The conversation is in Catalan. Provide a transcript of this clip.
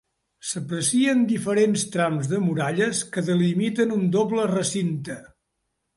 S'aprecien diferents trams de muralles que delimiten un doble recinte.